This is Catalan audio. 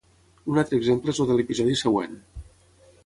Un altre exemple és el de l'episodi següent.